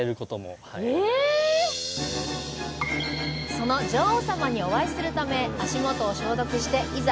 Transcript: その女王様にお会いするため足元を消毒していざ